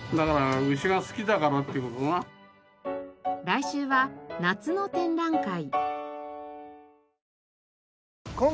来週は夏の展覧会。